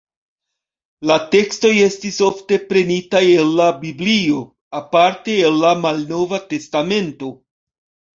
La tekstoj estis ofte prenitaj el la Biblio, aparte el la Malnova testamento.